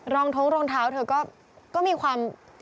รองท้องรองเท้าเธอก็มีความ